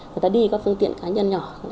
người ta đi có phương tiện cá nhân nhỏ